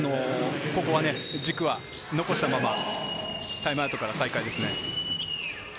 軸は残したまま、タイムアウトから再開ですね。